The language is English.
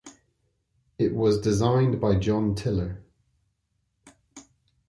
It was designed by John Tiller.